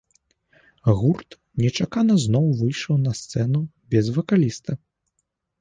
Гурт нечакана зноў выйшаў на сцэну без вакаліста.